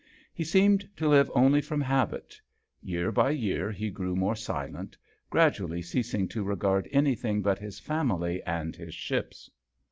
He seemed to live only from habit. Year by year he grew more silent, gradually ceasing to regard anything but his family and his ships.